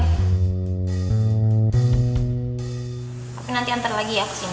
gapin nanti antar lagi ya kesini